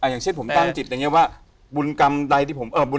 อย่างเช่นผมตั้งจิตอย่างนี้ว่าบุญกรรมใดที่ผมบุญ